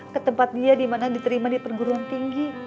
ketempat dia dimana diterima di pengguruan tinggi